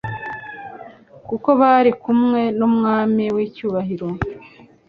ko bari kumwe n'Umwami w'icyubahiro.